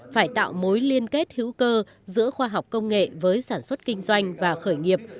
phải tạo mối liên kết hữu cơ giữa khoa học công nghệ với sản xuất kinh doanh và khởi nghiệp